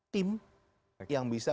tim yang bisa